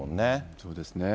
そうですね。